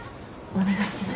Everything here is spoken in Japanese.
お願いします。